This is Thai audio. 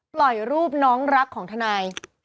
ปล่อยรูปน้องรักของทนาย